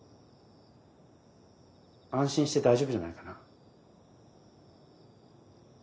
安心して大丈夫じゃないかな。